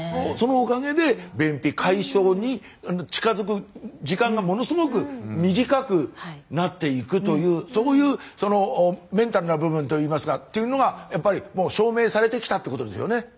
そのおかげで便秘解消に近づく時間がものすごく短くなっていくというそういうメンタルな部分といいますかというのがやっぱりもう証明されてきたってことですよね。